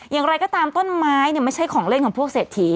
อย่างไรก็ตามต้นไม้เนี่ยไม่ใช่ของเล่นของพวกเศรษฐี